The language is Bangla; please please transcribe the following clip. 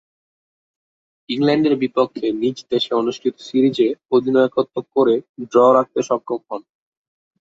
ইংল্যান্ডের বিপক্ষে নিজ দেশে অনুষ্ঠিত সিরিজে অধিনায়কত্ব করে ড্র রাখতে সক্ষম হন।